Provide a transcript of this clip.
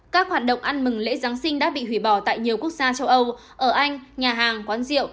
các hoạt động ăn mừng lễ giáng sinh đã bị hủy bỏ tại nhiều quốc gia châu âu ở anh nhà hàng quán rượu